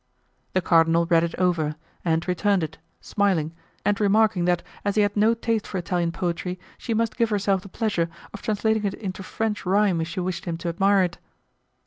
The cardinal read it over and returned it, smiling, and remarking that, as he had no taste for Italian poetry, she must give herself the pleasure of translating it into French rhyme if she wished him to admire it.